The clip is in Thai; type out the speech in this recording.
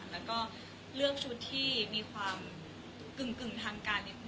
แล้วก็เลี่ยงชุดที่มีความกึ่งกึ่งทางการ